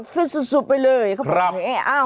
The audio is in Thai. ฟิ้นสุดไปเลยครับผมอาวเหรอครับหรือเรา